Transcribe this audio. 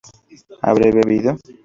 ¿habré bebido?